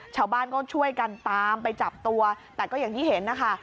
ชาวบ้านก็ช่วยกันตามไปจับตัวแต่ก็อย่างที่เห็นนะคะ